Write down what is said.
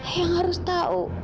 eang harus tahu